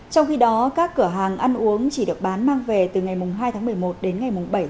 trong khi đó các cửa hàng ăn uống chỉ được bán mang về từ ngày hai một mươi một đến ngày bảy một mươi một